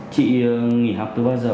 chị nghỉ học từ bao giờ